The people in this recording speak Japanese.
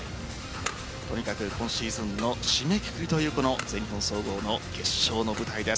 とにかく今シーズンの締めくくりという全日本総合の決勝の舞台です。